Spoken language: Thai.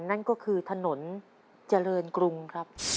นั่นก็คือถนนเจริญกรุงครับ